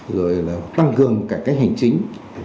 rồi tăng cường cả cách hành chính